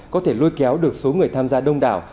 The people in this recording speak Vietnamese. có thể lôi kéo được số người tham gia đông đảo